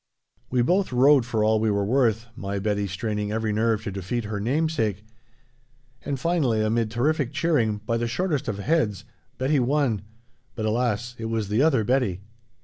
We both rode for all we were worth, my Betty straining every nerve to defeat her namesake, and finally, amid terrific cheering, by the shortest of heads, Betty won but, alas, it was the other Betty!